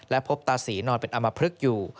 และพบตาศรีนอนเป็นอำมพลึกอยู่